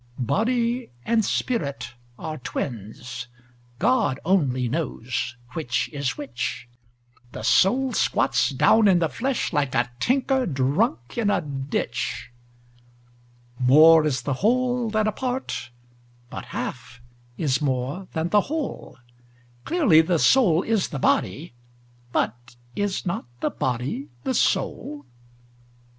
Body and spirit are twins: God only knows which is which: The soul squats down in the flesh, like a tinker drunk in a ditch. More is the whole than a part: but half is more than the whole: Clearly, the soul is the body: but is not the body the soul?